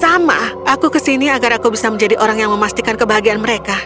sama aku kesini agar aku bisa menjadi orang yang memastikan kebahagiaan mereka